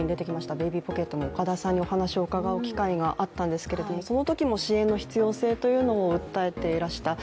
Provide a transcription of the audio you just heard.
Ｂａｂｙぽけっとの岡田さんにお話を伺う機会があったんですけれども、そのときも支援の必要性というのを訴えていらっしゃった。